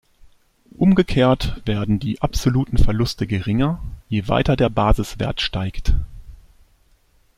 Umgekehrt werden die absoluten Verluste geringer, je weiter der Basiswert steigt.